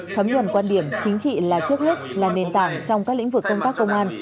thấm nhuần quan điểm chính trị là trước hết là nền tảng trong các lĩnh vực công tác công an